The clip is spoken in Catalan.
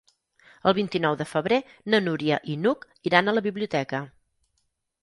El vint-i-nou de febrer na Núria i n'Hug iran a la biblioteca.